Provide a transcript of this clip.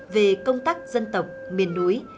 về công tác dân tộc miền núi